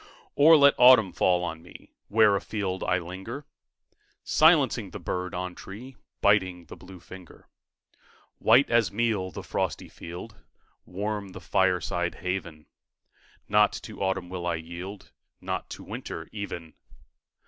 Or let autumn fall on me Where afield I linger, Silencing the bird on tree, Biting the blue finger. White as meal the frosty field Warm the fireside haven Not to autumn will I yield, Not to winter even!